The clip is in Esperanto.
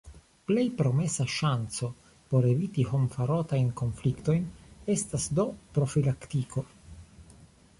Plej promesa ŝanco por eviti homfarotajn konfliktojn estas do profilaktiko.